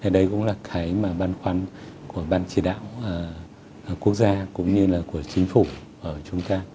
đây cũng là cái mà băn khoăn của ban chỉ đạo quốc gia cũng như là của chính phủ ở chúng ta